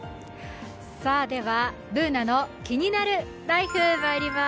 では、「ＢｏｏｎａのキニナルＬＩＦＥ」、まいります。